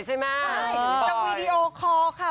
ใช่จากวีดีโอคอล์ค่ะ